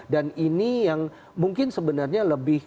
dan ini yang mungkin sebenarnya lebih